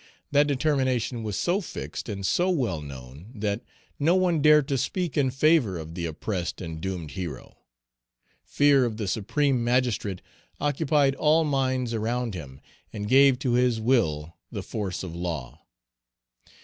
That determination was so fixed, and so well known, that no one dared to speak in favor of the oppressed and doomed hero. Fear of the supreme magistrate occupied all minds around him, and gave to his will the force of law.